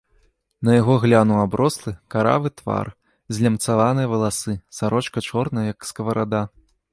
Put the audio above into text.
На яго глянуў аброслы, каравы твар, злямцаваныя валасы, сарочка чорная, як скаварада.